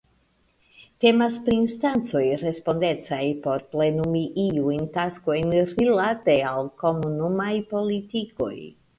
Temas pri instancoj respondecaj por plenumi iujn taskojn rilate al Komunumaj politikoj.